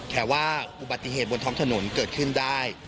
แต่ว่าอุบัติเหตุบนท้องถนนเกิดขึ้นได้